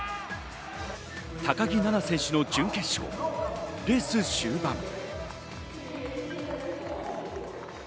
高木菜那選手の準決勝、レース終盤。